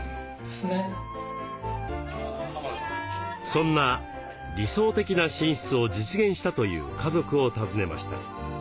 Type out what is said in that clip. そんな理想的な寝室を実現したという家族を訪ねました。